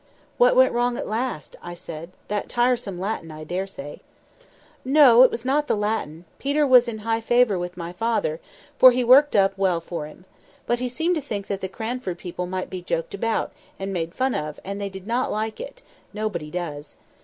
"What went wrong at last?" said I. "That tiresome Latin, I dare say." "No! it was not the Latin. Peter was in high favour with my father, for he worked up well for him. But he seemed to think that the Cranford people might be joked about, and made fun of, and they did not like it; nobody does.